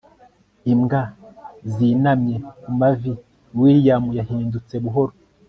imbwa zinamye ku mavi, william yahindutse buhoro